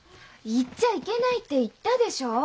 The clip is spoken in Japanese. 言っちゃいけないって言ったでしょう？